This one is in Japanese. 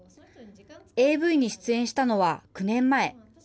ＡＶに出演したのは９年前。